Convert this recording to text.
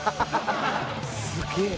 「すげえ！